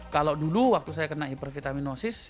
kalau dulu waktu saya kena hipervitaminosis